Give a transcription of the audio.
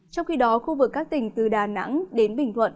trong khi đó khu vực các tỉnh từ đà nẵng đến bình thuận